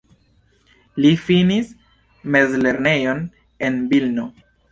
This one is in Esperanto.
Li finis mezlernejon en Vilno.